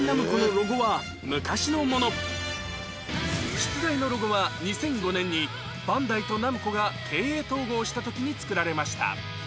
出題のロゴは２００５年にバンダイとナムコが経営統合した時に作られました